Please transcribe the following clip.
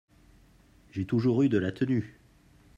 J’ai toujours eu de la tenue !